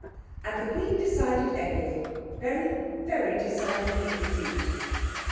And the Queen decided everything, very, very decidedly indeed.